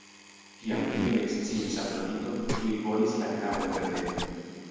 Kiam tion eksciis Afrodito, tuj volis la knabon repreni.